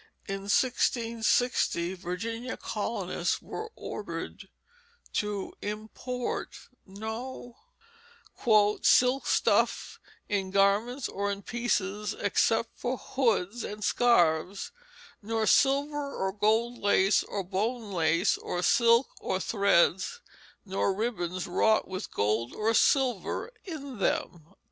In 1660 Virginia colonists were ordered to import no "silke stuffe in garments or in peeces except for whoods and scarfs, nor silver or gold lace, nor bone lace of silk or threads, nor ribbands wrought with gold or silver in them."